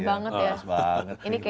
khas banget ya